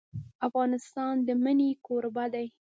افغانستان د منی کوربه دی.